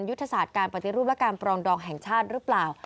ยุทธศาสตร์การปฏิรูปและการปรองดองแห่งชาติหรือเปล่า